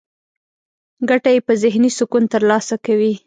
ګټه يې په ذهني سکون ترلاسه کوي.